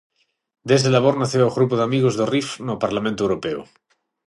Dese labor naceu o Grupo de Amigos do Rif no Parlamento europeo.